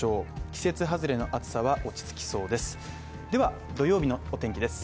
季節外れの暑さは落ち着きそうです。